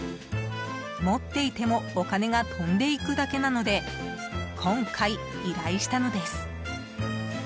持っていてもお金が飛んでいくだけなので今回、依頼したのです。